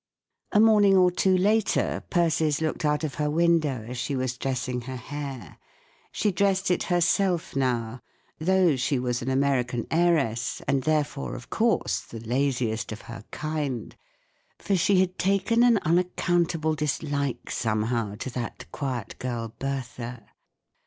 A morning or two later, Persis looked out of her window as she was dressing her hair. She dressed it herself now, though she was an American heiress, and, therefore, of course, the laziest of her kind; for she had taken an u naccountable dis¬ like, somehow, to that quiet girl Bertha.